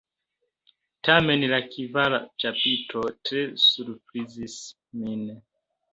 Tamen la kvara ĉapitro tre surprizis min.